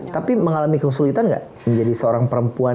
tapi mengalami kesulitan gak menjadi seorang perempuan